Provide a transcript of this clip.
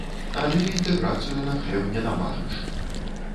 Але інтэграцыю на хлеб не намажаш.